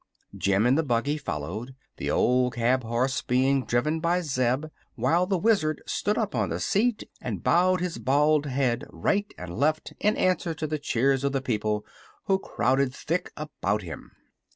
Jim and the buggy followed, the old cab horse being driven by Zeb while the Wizard stood up on the seat and bowed his bald head right and left in answer to the cheers of the people, who crowded thick about him.